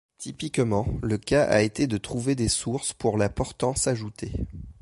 Typiquement, le cas a été de trouver des sources pour la portance ajoutée.